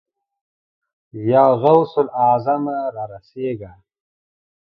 يا غوث الاعظمه! را رسېږه.